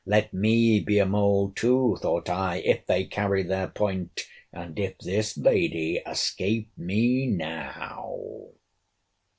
—let me be a mole too, thought I, if they carry their point!—and if this lady escape me now!